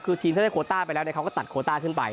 คือทีมถ้าได้โคต้าไปแล้วเขาก็ตัดโคต้าขึ้นไป